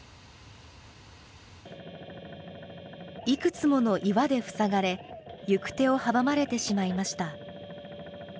いくつもの岩で塞がれ、行く手を阻まれてしまいました。